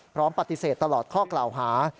พร้อมปฏิเสธตลอดข้อกล่าวหา